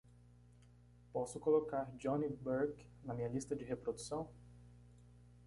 Posso colocar johnny burke na minha lista de reprodução?